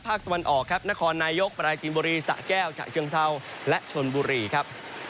ตะวันออกครับนครนายกปราจีนบุรีสะแก้วฉะเชิงเศร้าและชนบุรีครับ